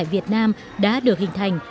việt nam đã được hình thành